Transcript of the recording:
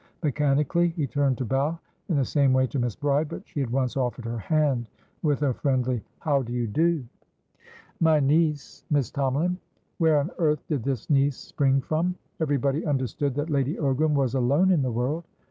Mechanically, he turned to bow in the same way to Miss Bride, but she at once offered her hand with a friendly, "How do you do?" "My niece, Miss Tomalin." Where on earth did this niece spring from? Everybody understood that Lady Ogram was alone in the world.